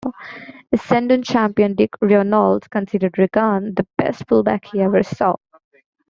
Essendon champion Dick Reynolds considered Regan the best full-back he ever saw.